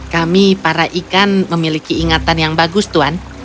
kami para ikan memiliki ingatan yang bagus tuhan